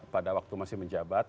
pada waktu masih menjabat